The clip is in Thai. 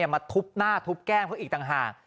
มาทุบหน้าทุบแก้มเขาอีกต่างหาก